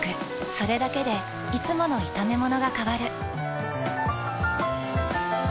それだけでいつもの炒めものが変わる。